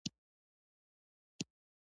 دا د نن د جګړو د توطیو تیوري ده.